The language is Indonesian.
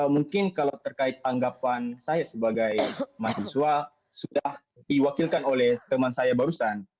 mungkin kalau terkait anggapan saya sebagai mahasiswa sudah diwakilkan oleh teman saya barusan